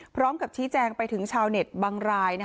พร้อมกับชี้แจงไปถึงชาวเน็ตบางราย